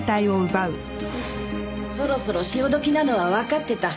そろそろ潮時なのはわかってた。